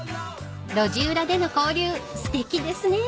［路地裏での交流すてきですね］